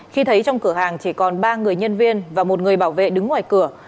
khi thấy trong cửa hàng chỉ còn ba người nhân viên và một người bảo vệ đứng ngoài cửa